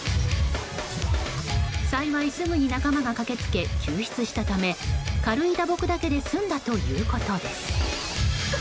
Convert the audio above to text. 幸い、すぐに仲間が駆け付け救出したため軽い打撲だけで済んだということです。